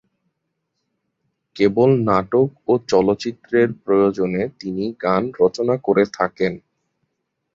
কেবল নাটক ও চলচ্চিত্রের প্রয়োজনে তিনি গান রচনা করে থাকেন।